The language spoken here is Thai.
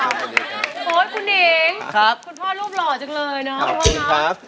แหล่งตัวโอ๊ดแหล่งตัวไวร์รุ่นแสงทางเพศบาป